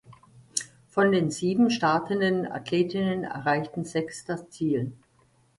Von den sieben startenden Athletinnen erreichten sechs das Ziel.